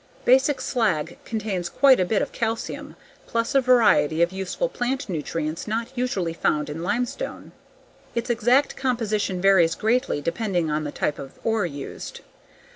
Basic slag contains quite a bit of calcium plus a variety of useful plant nutrients not usually found in limestone. Its exact composition varies greatly depending on the type of ore used.